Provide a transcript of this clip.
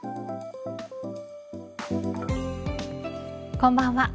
こんばんは。